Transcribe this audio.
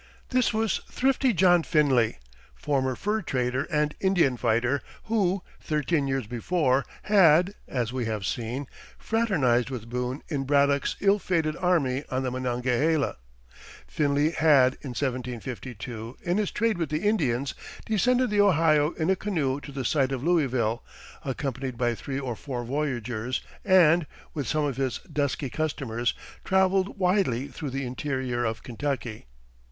This was thrifty John Finley, former fur trader and Indian fighter, who, thirteen years before, had, as we have seen, fraternized with Boone in Braddock's ill fated army on the Monongahela. Finley had, in 1752, in his trade with the Indians, descended the Ohio in a canoe to the site of Louisville, accompanied by three or four voyageurs, and, with some of his dusky customers, traveled widely through the interior of Kentucky.